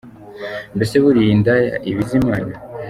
Mbese buriya indaya iba iz’ Imana ?.